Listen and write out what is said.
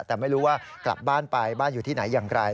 แต่ไม่รู้ว่ากลับบ้านไปบ้านอยู่ที่ไหนอย่างไร